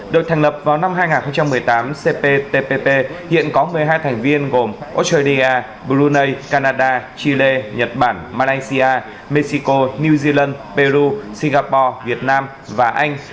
được thành lập vào năm hai nghìn một mươi tám cptpp hiện có một mươi hai thành viên gồm australia brunei canada chile nhật bản malaysia mexico new zealand peru singapore việt nam và anh